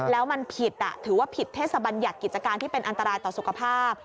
แล้วมันผิดถือว่าผิดเทศบัญญัติกิจการที่เป็นอันตรายต่อสุขภาพ